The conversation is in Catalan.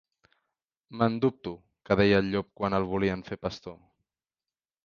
Me'n dubto, que deia el llop quan el volien fer pastor.